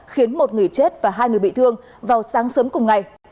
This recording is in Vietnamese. khiến một người chết và hai người bị thương vào sáng sớm cùng ngày